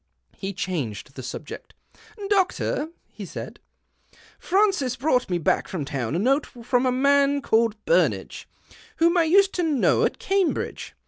He changed the subject. " Doctor," he said, " Francis brought me back from town a note from a man called Burnage, whom I used to know at Cambridge.